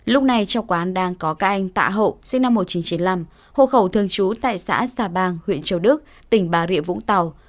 lúc này trong quán đang có các anh tạ hậu sinh năm một nghìn chín trăm chín mươi năm hộ khẩu thường trú tại xã xà bang huyện châu đức tỉnh bà rịa vũng tàu